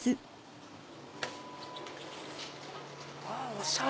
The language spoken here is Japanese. おしゃれ！